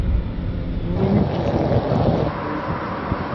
Бүренең әжәле эттән булыр.